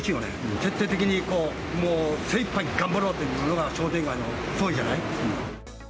徹底的に精いっぱい頑張ろうっていうのが、商店街の総意じゃない？